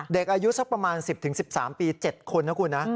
เด็กอายุสักประมาณ๑๐๑๓ปี๗คนนะคุณนะ